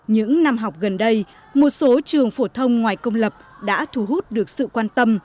những năm học gần đây một số trường phổ thông ngoài công lập đã thu hút được sự quan tâm